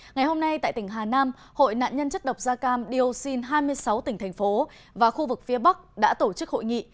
ngày hôm nay tại tỉnh hà nam hội nạn nhân chất độc da cam dioxin hai mươi sáu tỉnh thành phố và khu vực phía bắc đã tổ chức hội nghị